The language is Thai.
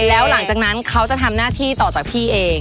แล้วหลังจากนั้นเขาจะทำหน้าที่ต่อจากพี่เอง